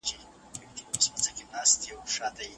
ما په کتابتون کي زوړ کتاب وموند.